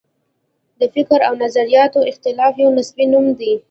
د فکر او نظریاتو اختلاف یو نصبي نوم دی.